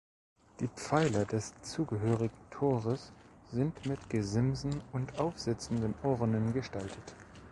Die Pfeiler des zugehörigen Tores sind mit Gesimsen und aufsitzenden Urnen gestaltet.